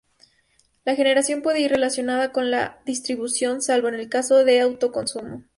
La generación puede ir relacionada con la distribución, salvo en el caso del autoconsumo.